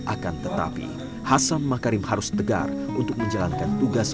akan tetapi hasan makarim harus tegar untuk menjalankan tugas